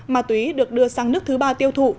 ma túy được đưa sang nước thứ ba tiêu thụ